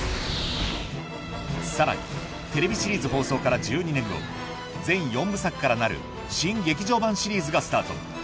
さらにテレビシリーズ放送から１２年後全４部作からなる『新劇場版』シリーズがスタート